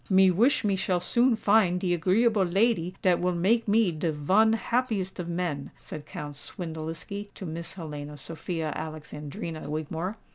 "Me wish me shall soon find de agreeable lady dat will make me de von happiest of men," said Count Swindeliski to Miss Helena Sophia Alexandrina Wigmore.